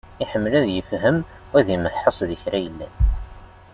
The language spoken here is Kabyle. Iḥemmel ad yefhem u ad imeḥḥeṣ di kra yellan.